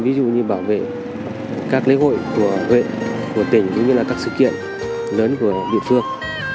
ví dụ như bảo vệ các lễ hội của huyện của tỉnh cũng như là các sự kiện lớn của địa phương